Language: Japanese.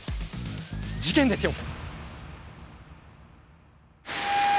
事件ですよ。